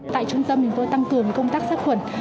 tại trung tâm chúng tôi tăng cường công tác sát khuẩn